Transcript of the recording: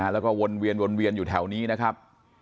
แล้วก็วนเวียนวนเวียนอยู่แถวนี้นะครับ